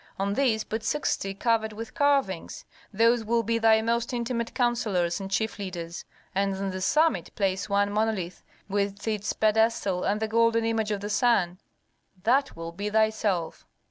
On these put sixty covered with carvings; those will be thy most intimate counsellors and chief leaders, and on the summit place one monolith with its pedestal and the golden image of the sun; that will be thyself.'